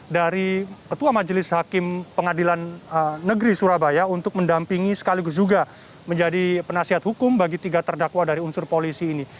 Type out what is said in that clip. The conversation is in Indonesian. dari ketua majelis hakim pengadilan negeri surabaya untuk mendampingi sekaligus juga menjadi penasihat hukum bagi tiga terdakwa dari unsur polisi ini